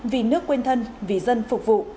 vì nước quên thân vì dân phục vụ